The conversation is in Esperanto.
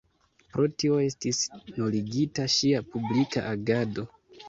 Pro tio estis nuligita ŝia publika agado.